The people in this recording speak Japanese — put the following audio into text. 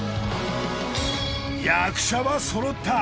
役者はそろった！